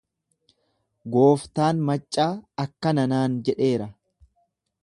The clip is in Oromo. Gooftaan maccaa akkana naan jedheera.